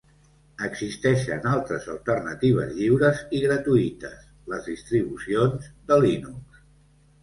Existeixen altres alternatives lliures i gratuïtes, les distribucions de Linux.